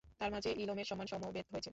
তাঁর মাঝে ইলমের সম্মান সমবেত হয়েছে।